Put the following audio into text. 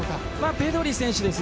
ペドリ選手です。